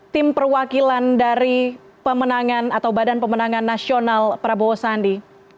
tim perwakilan dari pemenangan atau badan pemenangan nasional prabowo sandi